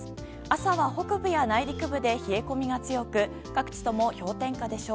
朝は北部や内陸部で冷え込みが強く各地とも氷点下でしょう。